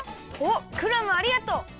おっクラムありがとう！